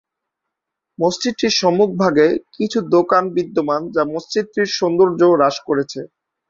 মসজিদটির সম্মুখভাগে কিছু দোকান বিদ্যমান যা মসজিদটির সৌন্দর্য হ্রাস করেছে।